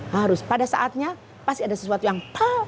harus pada saatnya pasti ada sesuatu yang